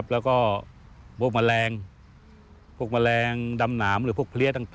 แล้วก็พวกแมลงพวกแมลงดำหนามหรือพวกเพลี้ยต่าง